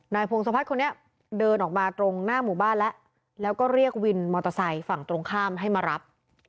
พงศพัฒน์คนนี้เดินออกมาตรงหน้าหมู่บ้านแล้วแล้วก็เรียกวินมอเตอร์ไซค์ฝั่งตรงข้ามให้มารับ